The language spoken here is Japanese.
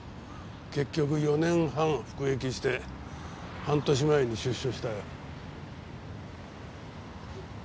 結局４年半服役して半年前に出所したよ。